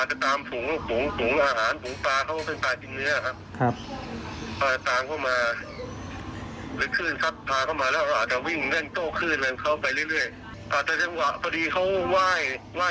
อาจจะเห็นคนแล้วอาจจะหลบมีเหตุอะไร